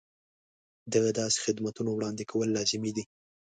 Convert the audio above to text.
د داسې خدمتونو وړاندې کول لازمي دي.